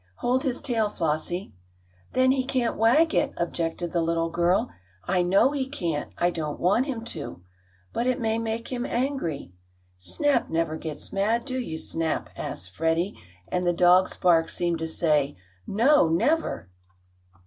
Hold his tail, Flossie." "Then he can't wag it," objected the little girl. "I know he can't. I don't want him to." "But it may make him angry." "Snap never gets mad; do you, Snap?" asked Freddie, and the dog's bark seemed to say "No, never!"